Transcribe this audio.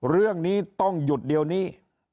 เรื่องนี้ต้องหยุดเดี๋ยวนี้